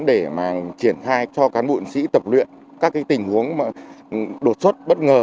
để mà triển khai cho cán bộ sĩ tập luyện các tình huống đột xuất bất ngờ